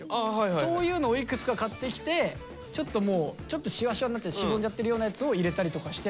そういうのをいくつか買ってきてちょっとシワシワになってしぼんじゃってるようなやつを入れたりとかして。